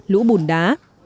lũ bùn đá